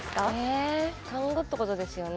え単語ってことですよね。